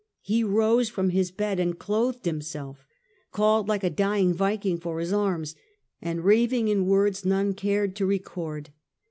He rose from his bed and clothed himself, calling like a dying Viking for his arms, and raving in words none cared to record.